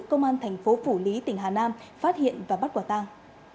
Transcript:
công an thành phố phủ lý tỉnh hà nam phát hiện và bắt quả tang